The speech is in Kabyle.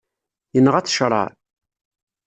Yenɣa-t ccreɛ.